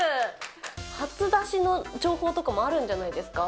初出しの情報とかもあるんじゃないですか。